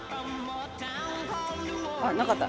あっなかった。